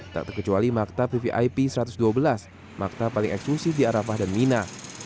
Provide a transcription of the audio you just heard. tak terkecuali maktab vvip satu ratus dua belas maktab paling eksklusif di arafah dan mina